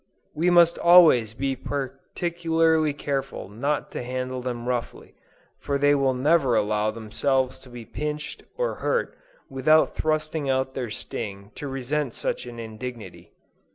We must always be particularly careful not to handle them roughly, for they will never allow themselves to be pinched or hurt without thrusting out their sting to resent such an indignity.